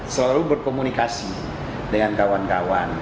selalu berkomunikasi dengan kawan kawan